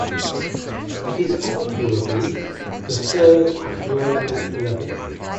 It is arguably the third at a global level.